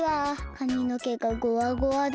かみのけがゴワゴワだし。